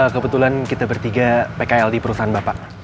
kebetulan kita bertiga pkl di perusahaan bapak